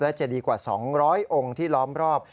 และจะดีกว่า๒๐๐องค์ที่ล้อมรอบ